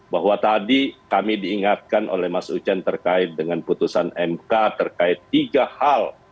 bahwa tadi kami diingatkan oleh mas ucen terkait dengan putusan mk terkait tiga hal